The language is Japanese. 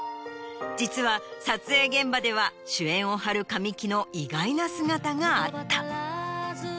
実は撮影現場では主演を張る神木の意外な姿があった。